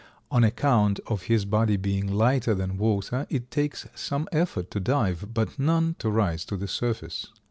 On account of his body being lighter than water it takes some effort to dive, but none to rise to the surface.